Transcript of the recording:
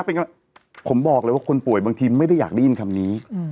เป็นผมบอกเลยว่าคนป่วยบางทีไม่ได้อยากได้ยินคำนี้